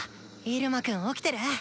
入間くん起きてる？